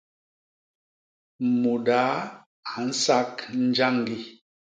Mudaa a nsak njañgi.